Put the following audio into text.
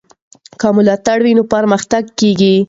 که ملاتړ وي نو پرمختګ کېږي.